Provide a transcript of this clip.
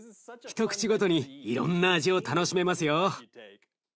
一口ごとにいろんな味を楽しめますよ。